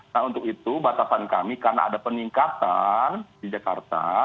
nah untuk itu batasan kami karena ada peningkatan di jakarta